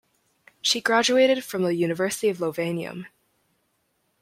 She graduated from the University of Lovanium.